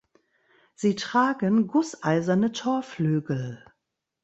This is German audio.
Sie tragen gusseiserne Torflügel.